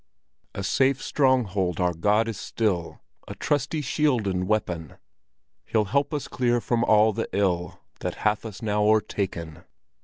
XI "A safe stronghold our God is still, A trusty shield and wea—pon; He'll help us clear from all the ill That hath us now o'erta—ken.